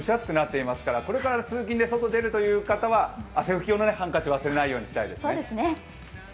今朝蒸し暑くなっていますからこれから通勤で外に出るという方は汗拭き用のタオルを忘れないように。